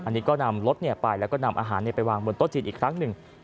อันนี้ก็นำรถไปแล้วก็นำอาหารไปวางบนโต๊ะจีนอีกครั้งหนึ่ง